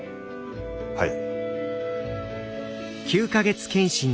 はい。